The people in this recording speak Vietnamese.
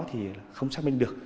thì không xác minh được